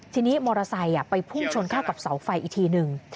ทีนี้มอเตอร์ไซค์ไปพุ่งชนเข้ากับเสาไฟอีกทีนึง